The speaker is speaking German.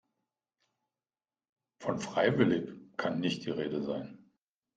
Von freiwillig kann nicht die Rede sein.